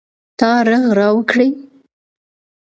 تا ږغ را وکړئ.